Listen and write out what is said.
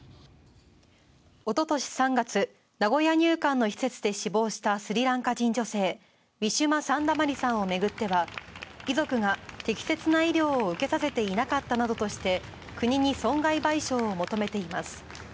おととし３月名古屋入管の施設で死亡したスリランカ人女性ウィシュマ・サンダマリさんを巡っては遺族が適切な医療を受けさせていなかったなどとして国に損害賠償を求めています。